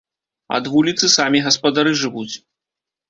Ад вуліцы самі гаспадары жывуць.